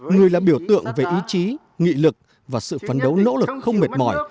người là biểu tượng về ý chí nghị lực và sự phấn đấu nỗ lực không mệt mỏi